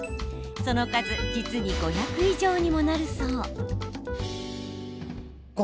その数、実に５００以上にもなるそう。